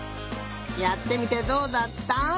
やってみてどうだった？